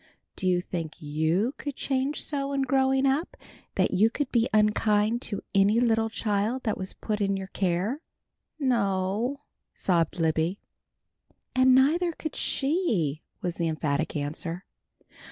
Do you think that you could change so in growing up that you could be unkind to any little child that was put in your care?" "No o!" sobbed Libby. "And neither could she!" was the emphatic answer.